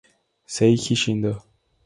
Seiji Shindo